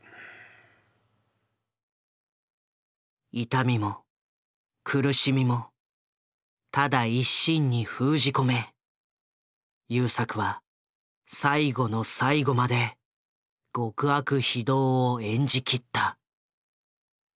痛みも苦しみもただ一身に封じ込め優作は最後の最後まで極悪非道を演じ切った。